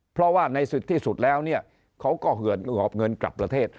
เพราะว่าในที่สุดแล้วคงก็เหยื่ออบเงินกลับประเทศ